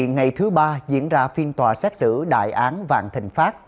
ngày thứ ba diễn ra phiên tòa xét xử đại án vạn thịnh pháp